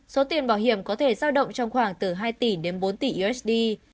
số tiền bảo hiểm có thể giao động trong khoảng từ hai tỷ đến bốn tỷ usd